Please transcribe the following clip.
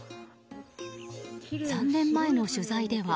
３年前の取材では。